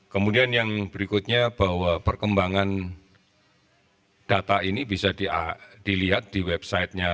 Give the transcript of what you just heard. kemudian yang berikutnya bahwa perkembangan data ini bisa dilihat di websitenya